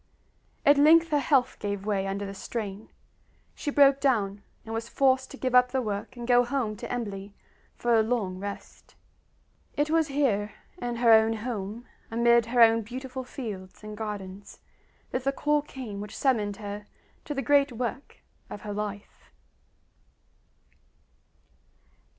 At length her health gave way under the strain; she broke down, and was forced to give up the work and go home to Embley for a long rest. It was here, in her own home, amid her own beautiful fields and gardens, that the call came which summoned her to the great work of her life.